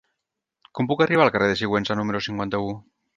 Com puc arribar al carrer de Sigüenza número cinquanta-u?